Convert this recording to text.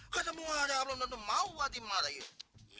katamu aja aku belum tentu mau fatima lagi